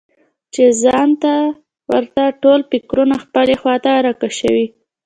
چې ځان ته ورته ټول فکرونه خپلې خواته راکشوي.